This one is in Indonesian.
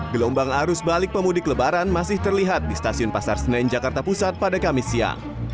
gelombang arus balik pemudik lebaran masih terlihat di stasiun pasar senen jakarta pusat pada kamis siang